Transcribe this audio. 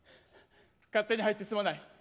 勝手に入って、すまない。